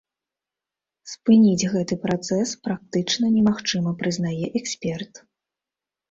Спыніць гэты працэс практычна немагчыма, прызнае эксперт.